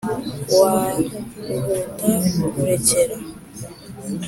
wa ruhuta kurekera